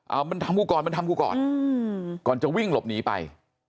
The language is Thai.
เอามันทำกู่กรก่อนจะวิ่งหลบหนีไป